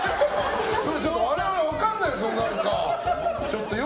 我々は分からないですよ。